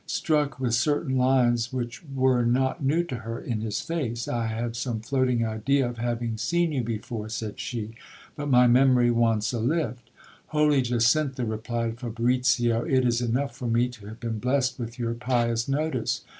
Struck with certain lines which were not new to her, in his face, I have some floating idea of having seen you before, said she ; but my memory wants a lift. Holy Jacintha, replied Fabricio, it is enough for me to have been blessed with your pious notice.